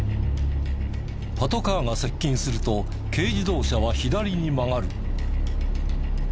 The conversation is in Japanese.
パトカーが接近すると軽自動車は左に曲がる。